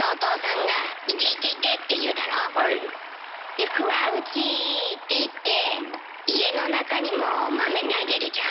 で「福は内！」って言って家の中にも豆投げるじゃん。